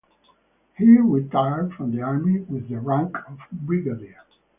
He retired from the army with the rank of brigadier.